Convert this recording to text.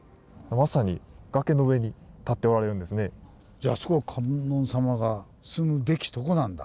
じゃああそこは観音様が住むべきとこなんだ。